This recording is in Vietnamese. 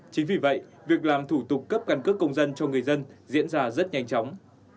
chính vì vậy việc làm thủ tục cấp căn cước công dân cho người dân diễn ra rất nhanh chóng